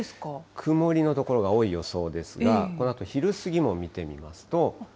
曇りの所が多い予想ですが、このあと昼過ぎも見てみますと。